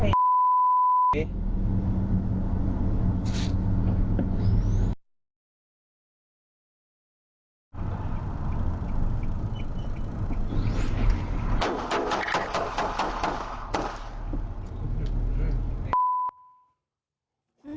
ยิงเอนิสังครั้ง